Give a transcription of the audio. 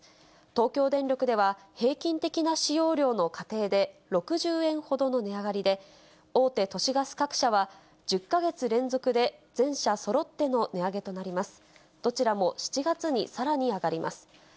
東京電力では、平均的な使用量の家庭で６０円ほどの値上がりで、大手都市ガス各社は、１０か月連続で全社そろっての値上げとなります。